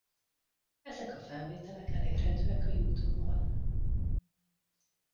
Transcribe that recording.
Ezek a felvételek elérhetőek a YouTube-on.